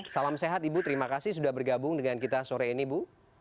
salam sehat ibu terima kasih sudah bergabung dengan kita sore ini bu